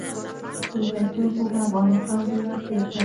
پروفيسر خو په افغانستان کې وخت تېر کړی.